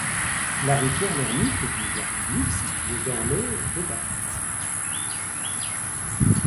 La rue Pierre-L'Ermite est une voie publique située dans le de Paris.